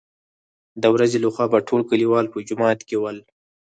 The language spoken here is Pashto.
دورځې له خوا به ټول کليوال په جومات کې ول.